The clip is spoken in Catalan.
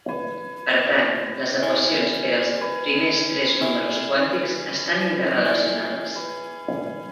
Per tant, les equacions per als primers tres números quàntics estan interrelacionades.